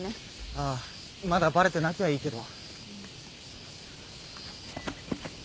ああまだバレてなきゃいいけど。